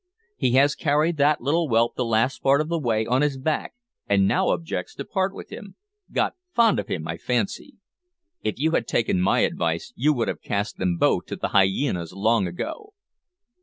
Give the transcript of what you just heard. He has carried that little whelp the last part of the way on his back, and now objects to part with him, got fond of him, I fancy. If you had taken my advice you would have cast them both to the hyenas long ago."